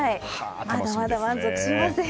まだまだ満足しません。